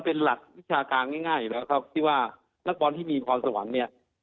เป็นหลักวิชาการง่ายที่ว่านักบอลที่มีความสวรรค์เนี่ย